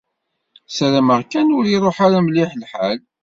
Sarameɣ kan ur iruḥ ara mliḥ lḥal.